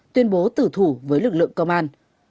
tuyên bố tử thủ với lực lượng công an